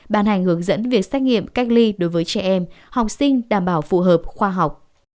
bàn hành hướng dẫn việc xét nghiệm cách ly đối với trẻ em học sinh đảm bảo phù hợp khoa học